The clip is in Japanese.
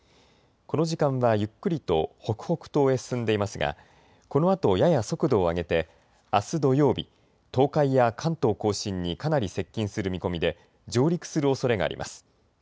この時間はゆっくりと北北東へ進んでいますが、このあとやや速度を上げてあす土曜日、東海や関東甲信にかなり接近する見込みで上陸するおそれがあります。